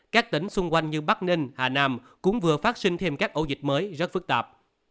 các tỉnh xung quanh như bắc ninh hà nam cũng vừa phát sinh thêm các ổ dịch mới rất phức tạp